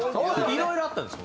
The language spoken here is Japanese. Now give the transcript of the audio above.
いろいろあったんですよ